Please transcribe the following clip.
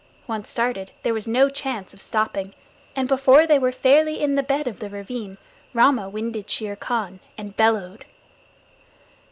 Once started, there was no chance of stopping, and before they were fairly in the bed of the ravine Rama winded Shere Khan and bellowed.